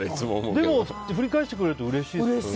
でも振り返してくれるとうれしいですよね。